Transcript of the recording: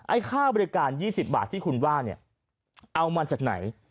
ไอ้ค่าบริการ๒๐บาทที่คุณว่าเอามันจากไหน